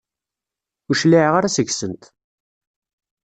Ur cliɛeɣ ara seg-sent.